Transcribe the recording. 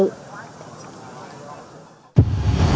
việc nghệ lương xa